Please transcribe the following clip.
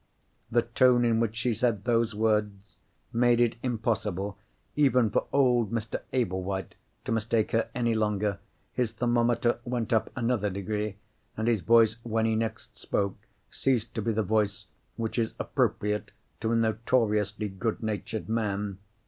The tone in which she said those words made it impossible, even for old Mr. Ablewhite, to mistake her any longer. His thermometer went up another degree, and his voice when he next spoke, ceased to be the voice which is appropriate to a notoriously good natured man.